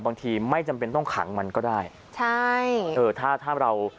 ไม่จำเป็นต้องขังมันก็ได้ใช่เออถ้าถ้าเรา